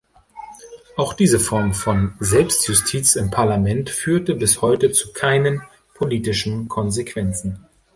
Auch diese Form von Selbstjustiz im Parlament führte bis heute zu keinen politischen Konsequenzen.